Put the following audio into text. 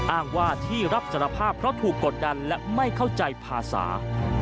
อ้างว่าที่รับสารภาพเพราะถูกกดดันและไม่เข้าใจภาษา